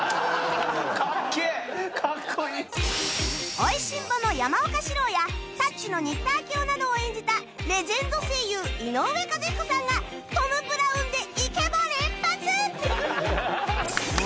『美味しんぼ』の山岡士郎や『タッチ』の新田明男などを演じたレジェンド声優井上和彦さんがトム・ブラウンでイケボ連発！